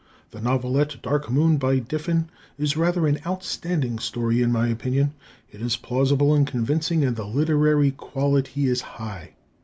The novelette, "Dark Moon," by Diffin, is rather an outstanding story, in my opinion. It is plausible and convincing, and the literary quality is high.